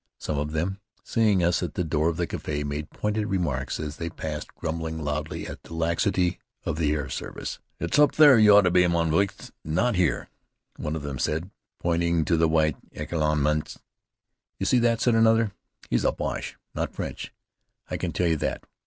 Some of them, seeing us at the door of the café, made pointed remarks as they passed, grumbling loudly at the laxity of the air service. "It's up there you ought to be, mon vieux, not here," one of them said, pointing to the white éclatements. "You see that?" said another. "He's a Boche, not French, I can tell you that.